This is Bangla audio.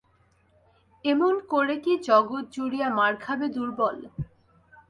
এমনি করে কি জগৎ জুড়িয়া মার খাবে দুর্বল?